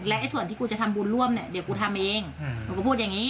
และส่วนที่กูจะทำบุญร่วมเนี่ยเดี๋ยวกูทำเองหนูก็พูดอย่างนี้